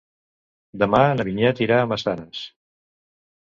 Demà na Vinyet irà a Massanes.